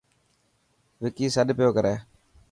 وڪي سڏ پيو ڪري.